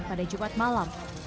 pada jumat malam